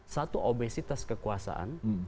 satu obesitas kekuasaan